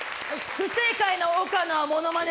不正解の岡野はモノマネ